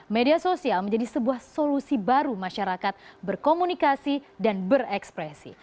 media sosial menjadi sebuah solusi baru masyarakat berkomunikasi dan berekspresi